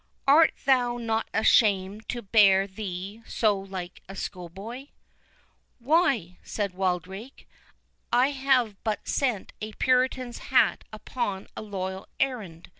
"Art thou not ashamed to bear thee so like a schoolboy?" "Why," said Wildrake, "I have but sent a Puritan's hat upon a loyal errand.